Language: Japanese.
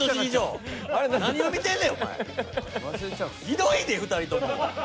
ひどいで２人とも。